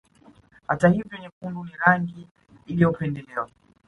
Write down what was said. Hata hivyo nyekundu ni rangi iliyopendelewa